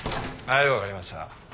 はい分かりました。